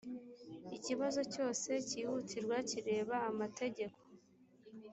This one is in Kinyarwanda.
ikibazo cyose kihutirwa kireba amategeko